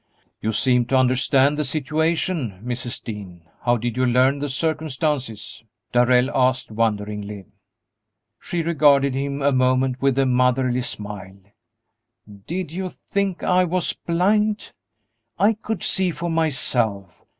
"You seem to understand the situation, Mrs. Dean; how did you learn the circumstances?" Darrell asked, wonderingly. She regarded him a moment with a motherly smile. "Did you think I was blind? I could see for myself.